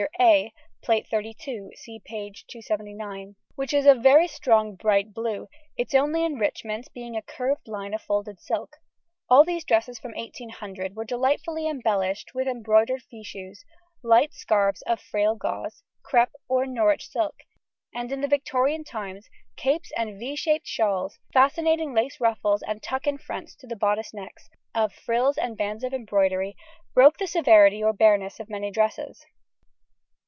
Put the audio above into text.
A, Plate XXXII (see p. 279), which is of very strong bright blue; its only enrichment being a curved line of folded silk. All these dresses from 1800 were delightfully embellished with embroidered fichus, light scarves of frail gauze, crêpe, or Norwich silk, and in the Victorian times capes and =V= shaped shawls; fascinating lace ruffles and tuck in fronts to the bodice necks, of frills and bands of embroidery, broke the severity or bareness of many dresses.